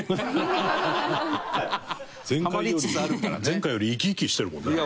前回より生き生きしてるもんね。